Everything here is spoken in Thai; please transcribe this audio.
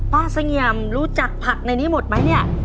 เสงี่ยมรู้จักผักในนี้หมดไหมเนี่ย